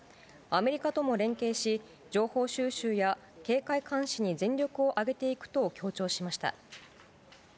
アメリカとも連携し、情報収集や警戒監視に全力を挙げていくと強調しました。